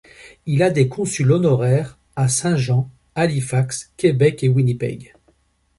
Il a des Consuls honoraires à Saint-Jean, Halifax, Québec et Winnipeg.